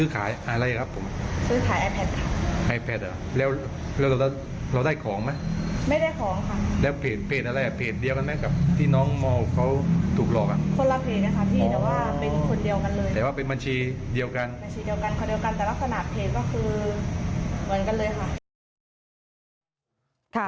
ก็คือเหมือนกันเลยค่ะ